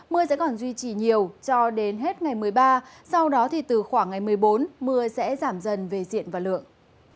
mưa sẽ còn duy trì nhiều cho đến hết ngày một mươi ba sau đó thì từ khoảng ngày một mươi bốn mưa sẽ giảm dần về diện và lượng